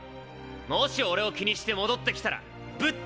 もし俺を気にして戻ってきたらぶっ飛ばすからな！